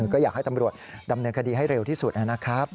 ก็อยากให้ตำรวจดำเนินคดีให้เร็วที่สุดนะครับ